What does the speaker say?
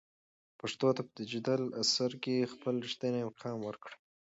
پښتو ته په ډیجیټل عصر کې خپل رښتینی مقام ورکړئ.